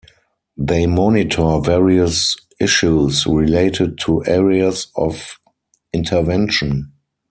They monitor various issues related to areas of intervention.